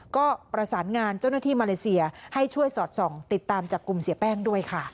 ก็ประสานงานเจ้าหน้าที่มาเลเซียให้ช่วยสอดส่องติดตามจับกลุ่มเสียแป้งด้วยค่ะ